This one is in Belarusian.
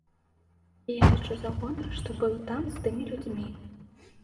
І я лічу за гонар, што быў там з тымі людзьмі.